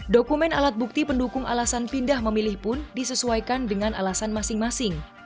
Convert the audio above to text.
dokumen alat bukti pendukung alasan pindah memilih pun disesuaikan dengan alasan masing masing